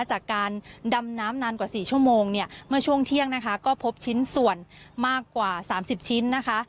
จากการดำน้ำนานกว่า๔ชั่วโมงเนี่ยเมื่อช่วงเที่ยงนะคะก็พบชิ้นส่วนมากกว่า๓๐ชิ้นนะคะ